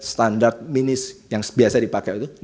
standar minis yang biasa dipakai itu